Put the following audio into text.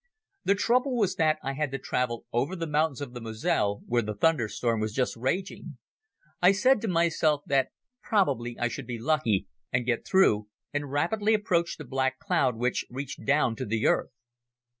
The trouble was that I had to travel over the mountains of the Moselle where the thunderstorm was just raging. I said to myself that probably I should be lucky and get through and rapidly approached the black cloud which reached down to the earth.